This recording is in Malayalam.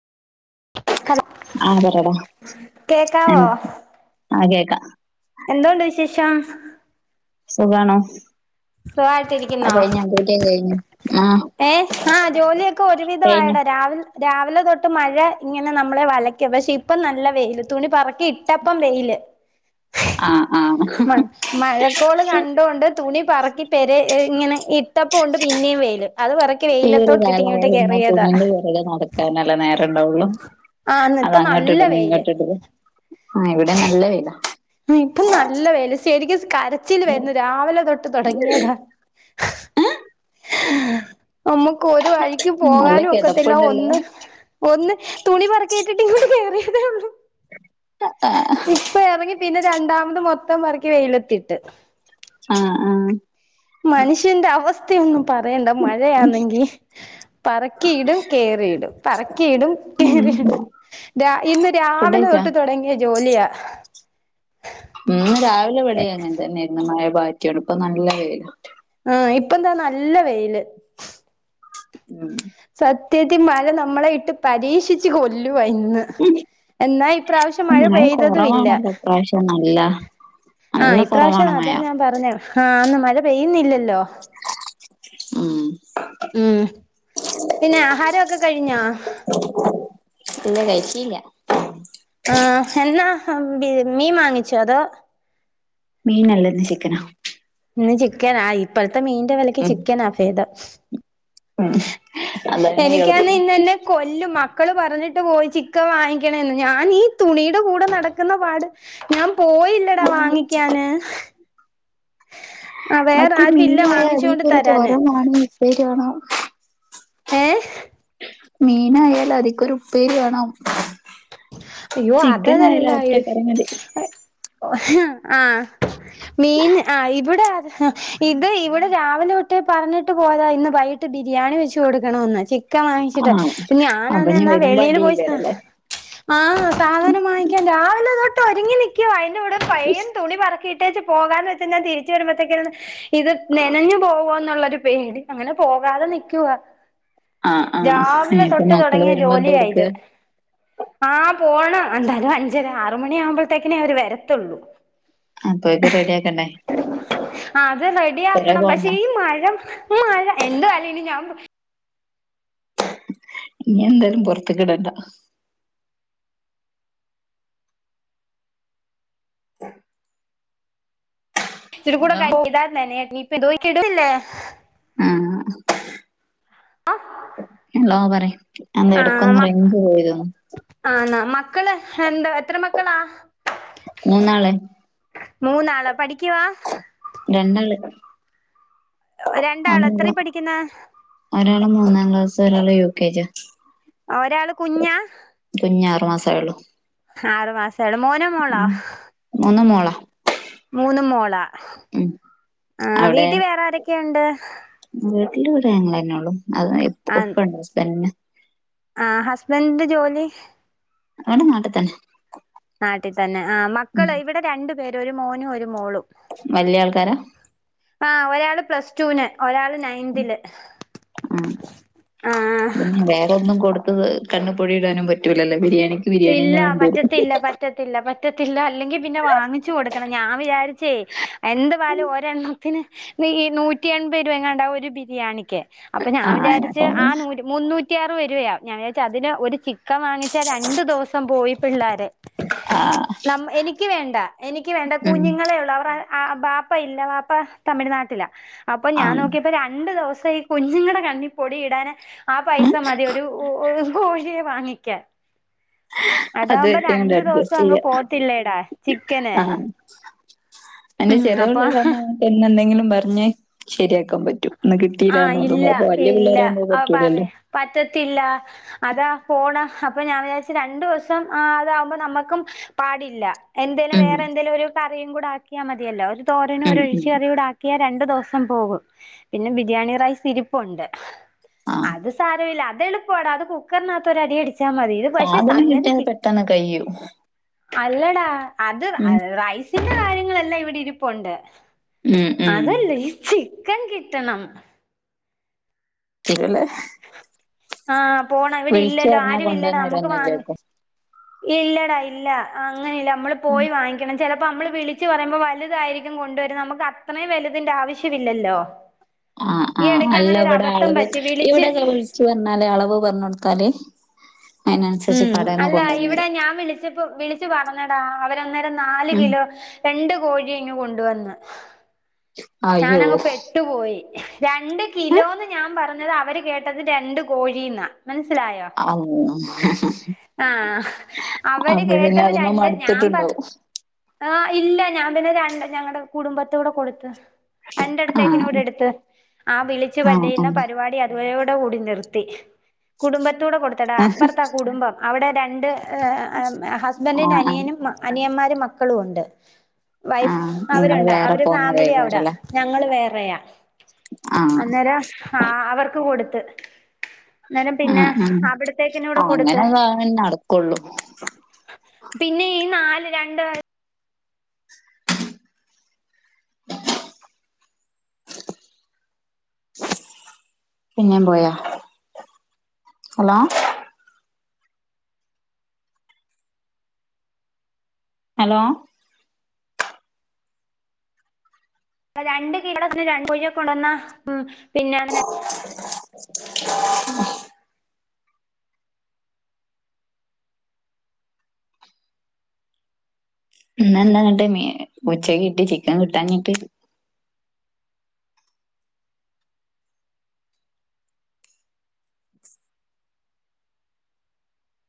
ഹലോ ആതരട ആെ കേക്കാവോ [unintelligible] എന്തോണ്ട് വിശേഷം സുഖാണോ ആ സുഖായിട്ടിരിക്കുന്നോ കഴിഞ്ഞോ ഡ്യൂട്ടി കഴിഞ്ഞു ആ ഏ ആഹ ജോലിയൊക്കെ ഒരുവിധ കഴിഞ്ഞു ആയിടാ രാവിലെ രാവിലെ തൊട്ട് മഴ ഇങ്ങനെ നമ്മളെ വലക്ക പക്ഷെ ഇപ്പം നല്ല വെയില് തുണി പറക്കി ഇട്ടപ്പം വെയില് ആ ആ മ മഴക്കോള് കണ്ടൊണ്ട് തുണി സർ ാക്കി പേരെ ഇങ്ങനെ ഇട്ടപ്പ ഉണ്ട് പിന്നെയും വെയിയില് അത് ഇറക്കി ഈ ഒരു വെയിലത്ത ഇട്ടിട്ട് കാലായ ഇങ്ങോട്ട് കയറിയതാ ണ്ടാവള്ളു അത് അങ്ങോട്ട് ഇടുന്നു വെയില് ഇങ്ങോട്ട് ഇട ആഹ ഇവിടെ നല്ല വില ഇപ്പം നല്ല വല [unintelligible] കരച്ചിൽ വരുന്നു രാവിലെ തൊട്ട് തുൊടങ്ങിയതാ ആ [unintelligible] നമ്മുക്ക് ഒരു വഴിക്ക് നല്ല പോകാനും ഒക്കത്തില്ല കിതപ്പുണ്ടല്ലോ ഒന്ന് ഒന്ന് തുണി പറക്കയിറ്റിട്ട് ഇങ്ങോട്ട് കേയറിയതേള്ളൂ ആ ഇപ്പ ഒരാഗി പിന്നെ രണ്ടാമത് മൊത്തം പറക്കി വെയിലെത്തിട്ട് ആഹ് ആഹ് മനുഷ്യന്റെ അവസ് ന്ന് [unintelligible] പറയണ്ട മഴയാണെങ്കി പറക്കിയിടും കേറിടും പറക്കിയിടും ഉം. കേറിയിടും രാ ഇന്ന് ഫുഡ് രാവിലെ കഴിച്ചാ തൊട്ട് തുടങ്ങിയ ജോലിയാ- ഇന്ന് രാവിലെ ഇവിടെ ഇങ്ങനെതെന്നെയായിരുന്നു മഴ പാറ്റാണ് ഇപ്പ നല്ല വെയിലാ ആ ഇപ്പതാ നല്ല വെയില് ഉം സത്യത്തി മഴ നമ്മളെ ഇട്ട് പരീക്ഷിച്ച് കൊല്ലും വിന്ന് എന്നാ ഇപ്രാവശ്യം മഴ പെയ്തതും ഇല്ല. കുറവാണല്ലോ ഇപ്രാവശ്യം നല്ല ആ നല്ല ഇപ്രാവശ്യം കുറവാണ് മഴ അതാ ഞാൻ പറഞ്ഞെ ആന്ന് മാ ഴ പെയ്യുന്നില്ല ല്ലൊ. മ്മ്മ് ഉം പിന്നെ ആഹാരമൊക്കെ കഴിഞ്ഞോ? ഇല്ല കഴിച്ചില്ല ആഹ് എന്നാ ഹം ബി മീൻ മാങ്ങിച്ചോ അതോ മീൻ അല്ല ഇന്ന് ചിക്കനാ. ഇന്ന് ചിക്കനാ ഇപ്പട് ത്തെ മീൻന്റെ വിലക്ക്‌ ഉം. ചിക്കനാ ഫേദം. ഉം അതന്നെ എളുപ്പം എനിക്കാന്നെ ഇന്ന് എന്നെ കൊല്ലും മ ക്കൾ പറഞ്ഞിട്ട് പോയി ചിക്കൻ വാങ്ങിക്കണേന്ന്. ഞാൻ ഈ തുണിയുടെ കൂടെ നട ക്കുന്ന പാട് ഞാൻ പോയില്ലടാ വാങ്ങിക്കാന്. ആ വേറെ മറ്റേ ആരുമില്ല മീനായാൽ വാങ്ങിച്ചോണ്ട് അതീക്ക് ഒരു തരാന് തോരൻ വാണം, ഉപ്പേരി വാണം. ഏഹ് മീനായാൽ അതിക്ക് ഒരു ഉപ്പേരി വേണം. അയ്യോ ചിക്കൻ ആയാലും അതതല്ല ഒറ്റ യ്യോ കറി മതി പോയ ആഹ് മീൻ ആഹ് ഇവിടെ അത്, ഇത് ഇവിടെ രാവിലെ തൊട്ടേ പറഞ്ഞിട്ട് പോയതാ ഇന്ന് വൈകീട്ട് ബിരിയാണി വെച്ച് കൊടുക്കണോന്ന്. ചി ക്കൻ വാങ്ങിച്ചിട്ട് ആഹ് അപ്പൊ ഞാനാന്നേ ഇനി എന്നാ വരുമ്പോ വെളിയില് പോയി സാ അടിയേക്കാരല്ലേ ആഹ് സാധനം വാങ്ങിക്കാൻ രാവിലെ തൊട്ട് ഒരുങ്ങി നിക്ക് ക്കുവാ അയ്നൂടെ പയ്യൻ തുണി പറക്കി ഇട്ടേച്ചു പോകാന്ന് വെച്ചഴിഞ്ഞ തിരിച്ച് വരുമ്പോഴത്തേക്കിന് ഇത് നെനഞ്ഞു പോവൊന്നുള്ളൊരു പേടി അങ്ങനെ പോകാതെ നിക്കുവാ. ആഹ് ആഹ് രാവിലെ ഇനിപ്പോ തൊട്ട് മക്കള് തുടങ്ങിയ വരുമ്പോ എന്താ ജോലിയാ കൊടുക്കാ ഇത് ആഹ് പോണം എന്തായാലും അഞ്ചര ആറ മണി ആകുമ്പോഴത്തേക്കിനേ അവര് വരത്തുള്ളൂ അപ്പൊയെക്ക് റെഡി ആക്കണ്ടേ ആ [unintelligible] റെഡി കൊറെ ആക്കണം പോണ്ട പക്ഷെ ഈ മഴ മഴ എന്താലേ ഇനി ഞാൻ ഇനിയെന്തായാലും പൊറത്ത്ക്ക് ഇടണ്ട [inaudible] ഇച്ചിരികൂട ഹലോ കഴിഞ്ഞ നനയായ് ഇതോയ്ക്കിടല്ലേ ആഹ് ഹലോ പറ എന്താ ആഹ് ഇടക്കൊന്ന് മ ഇറി പോയിതന്ന് ആന്നാ മക്കള് എന്താ എത്ര മക്കളാ മൂന്നാളെ മൂന്നാളാ പഠിക്കവാ രണ്ടാള് രണ്ടാള് എത്ര ഒരാള് പഠിക്ക്ന്നെ ഒരാള് മൂന്നാം ക്ലാസ് ഒരാള് യു കെജി ഒരാള് കുഞ്ഞാ കുഞ്ഞ ആറു മാസ ആള്ളൂ ആറ് മാസം ചെട മോന മോളാ മൂന്ന് മോളാ മൂന്ന് മോള ഉം ആ അവിടെ വീട്ടീ വേറെ ആരൊക്കെയണ്ട് [unintelligible] വീട്ടില് ഒര് ആങ്ങളന്നെ ള്ളൂ അത് ഇപ്പു ആഹ് [unintelligible] ആഹ് ഹസ്ബൻഡന്റെ ജോലി നടെ നാട്ട തന്നെ നാട്ടിൽ തന്നെ ആ മക്കള് ഇവിടെ രണ്ട പേര ഒരു മോനും ഒരു മോളും വല്ല്യ ആൾക്കാരാ ആ ഒരാള് പ്ലസ്ടൂന് ഒരാള് നയന്തില് ആ ആഹ് കണ് പൊഴ ഇടാനും പറ്റില്ലല്ലോ ബിരിയാണി ഇല്ല പറ്റത്തില്ല പറ്റത്തില്ല പറ്റത്തില്ല അല്ലെങ്കി പിന്നെ വാങ്ങിച്ചു കൊടുക്കണം ഞാൻ വിചാരിച്ചേ എന്ത് പാലും ഒണ് പിന്നെ ഈ നൂറ്റി എൺപത് രൂപങ്ങണ്ടാവ ഒരു ബിരിയാണിക്ക് അപ്പൊ ഞാൻ ആ വിചാരിച്ച് ആ നൂ മുന്നൂറ്റി ആറ് വരയാ ഞാൻ അതിന് ഒരു ചിക്ക രണ്ട് ദിവസം പോയി പിള്ളാര ആ ന എനിക്ക് വേണ്ട എനിക്ക് വേണ്ട ഉം കുഞ്ഞുങ്ങളെയള്ള അവർ ആ ബാപ്പ ഇല്ല വാപ്പ തമിഴ്നാട്ടിലാ അപ്പൊ ആ ഞാൻ നോക്കിയപ്പോ രണ്ട് ദിവസം കുഞ്ഞുങ്ങളുടെ കണ്ണിപ്പൊടി ഇടാന ആ പൈസ മതി ഒരു കോഴിയെ വാങ്ങിക്കാൻ അത് അതാവുമ്പോ വെച്ചങ്ങട് രണ്ടു ദിവസം അഡ്ജസ്റ്റ് അങ്ങ് ചെയ്യാ പോത്തില്ലടാ ചിക്കന് ആ എന്റെ ഉം അപ്പൊ ചെറിയപിള്ളേരാവുമ്പോ എന്നഎന്തെങ്കിലും പർഞ്ഞേ ശരിയാ ആഹ ഇല്ല ഇല്ല പിള്ളേരാവുമ്പോ ആ പറഞ്ഞ പറ്റൂലല്ലോ പറ്റത്തില്ല അതാ പോണ അപ്പൊ ഞാൻ വിചാരിച്ച രണ്ടു ദിവസം ആ അതാകുമ്പോ നമ്മുക്കും പാടില്ല എന്തേലും ഉം വേറെ എന്തേലും ഒരു കറിയും കൂടെ ആക്കിയാ മതിയല്ല ഒരു തോരനും ഉം ഒര് ഉം ഒഴിച്ചി കറിയൂടാക്കിയ രണ്ടു ദിവസം പോകും പിന്നെ ബിരിയാണി റൈസ് ഇരിപ്പുണ്ട് ആ അത് സാരില്ല എളുപ്പാടാ അത് കുക്കറിനകത്തഒരു അടി അടി സാധനം കിട്ടിയത് പെട്ടെന്ന് കയ്യു അല്ലടാ അത് യ് റൈസ് ചില കാര്യങ്ങളെല്ലാം ഇവിടെ ഇരിപ്പുണ്ട് ഉം ഉം അതല്ല ഈച്ചി കൻ കിട്ടണം ചിലല്ലേ ആഹ വിളിച്ചു പറഞ്ഞാൽ വാങ്ങി കൊണ്ടുവന്നരന്നല്ലേകും ഇല്ലടാ ഇല്ല അ അങ്ങനെയില്ലേ നമ്മള് പോയി വാങ്ങിക്കണം ചെലപ്പം അമ്മള് വിളിച്ച് പറയുമ്പം വലുതായിരിക്കും കൊണ്ടുവരുന്നത് നമുക്ക് അത്രയും വലുതിന്റെ ആവശ്യമില്ലല്ലോ ആ ആ ഈ എടയ്ക്ക് അങ്ങനെ ഒരു അല്ലവിടെ അബദ്ധം അളവ് പറ്റി വിളിച്ച് എവിടെക്കെ വിളിച്ച് പറഞ്ഞാല അളവ് പറഞ്ഞ കൊടുത്താല് അതിനനുസരിച്ച് ഉം കടേന്ന് അല്ല കൊണ്ടുവന്ന് ഇവിടെ തരും ഞാൻ വിളിച്ചപ്പോ വിളി പറഞ്ഞടാ അവ അന്നേരം നാല് ഉം കിലോ രണ്ടു കോഴിയ ഇങ്ങ് കൊണ്ടുവന്ന് അയ്യോ ഞാനങ്ങ് പെട്ടു പോയി രണ്ട് കിലോന്ന് ഞാൻ പറഞ്ഞ റഞ്ഞത് അവര് കേട്ടത് രണ്ട് കോഴീന്നാ മനസിലായോ ആഹ് അവര് അപ്പൊ പിന്നെ കേട്ടത് അതിമ്മെ രണ്ട് ഞാൻ പറഞ്ഞത് മടുത്തിട്ടുണ്ടാവും ആ ഇല്ല ഞാൻപിന്നേ രണ്ട് ഞങ്ങടെ കുടുംബത്തോടെ കൊടുത്ത് [unintelligible] ആഹ് കൂടെ എടുത്ത് ആ വിളിച്ചു പറയുന്ന ആഹ് ചെയ്യുന്ന ഉം പരിപാടി [unintelligible] ണ്ട കൂടി നിർത്തി കുടുംബത്തൂടെ കൊടുത്തടാ ആഹ് അപ്പറത്ത കുടുംബം അവടെ രണ്ട് ഹസ്ബൻഡിന്റെ ആഹ് അനിയനും അനിയൻമാർ ന്റെ മക്കളും ഒണ്ട് ആ നിങ്ങള് വേറെ പോന്നതേയ്ക്കാരം അവിടാ ല്ലേ. ഞങ്ങള് വേറെയാ അന്നേരം ആ അവർക്ക് കൊടു ത്ത് ന്നേരം പിന്നെ ആഹ് ആഹ് അവിടത്തേക്ക്‌ ന്നു ടെ കൊടുത്ത് അങ്ങനെ നടക്കുള്ളൂ പിന്നെ ഈ നാ രണ്ട് പിന്നേം പോയോ ഹലോ ഹലോ രണ്ട് [unintelligible] [inaudible] ഇന്നെന്താ ഇങ്ങട്ട് മീ ഉച്ചയിഞ്ഞിട്ട് ചിക്കൻ കിട്ടാഞ്ഞിട്ട്